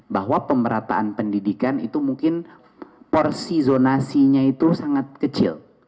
bahwa pemerataan pendidikan itu mungkin porsi zonasinya itu sangat kecil